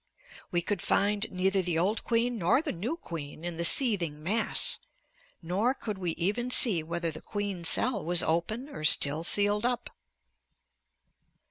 We could find neither the old queen nor the new queen in the seething mass, nor could we even see whether the queen cell was open or still sealed up.